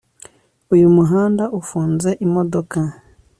Uyu muhanda ufunze imodoka